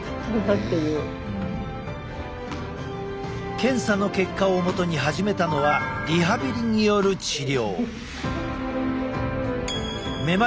検査の結果をもとに始めたのはリハビリによる治療。